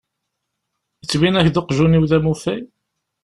Yettbin-ak-d uqjun-iw d amufay?